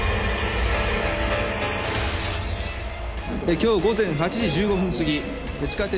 今日午前８時１５分すぎ地下鉄